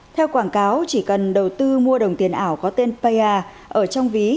theo quảng cáo chỉ cần đầu tư mua đồng tiền ảo có tên paya ở trong ví